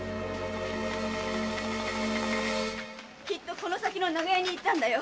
この先の長屋に行ったんだよ。